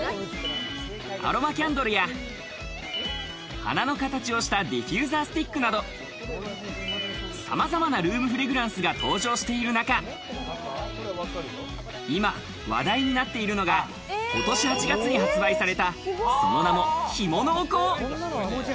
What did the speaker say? アロマキャンドルや花の形をしたディフューザースティックなど、さまざまなルームフレグランスが登場している中、今、話題になっているのが今年８月に発売されたその名も紐のお香。